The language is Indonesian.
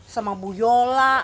sama bu yola